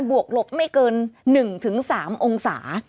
วกหลบไม่เกิน๑๓องศา